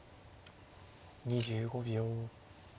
２５秒。